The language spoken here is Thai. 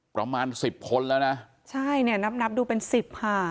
ประมาณสิบคนแล้วนะใช่เนี่ยนับนับดูเป็นสิบค่ะ